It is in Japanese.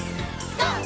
ＧＯ！